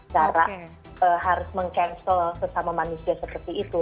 cara harus meng cancel sesama manusia seperti itu